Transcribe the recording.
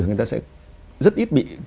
người ta sẽ rất ít bị